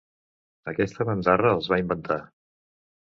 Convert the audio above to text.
Aquesta bandarra els va inventar!